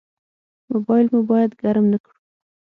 موبایل مو باید ګرم نه کړو.